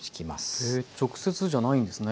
へえ直接じゃないんですね。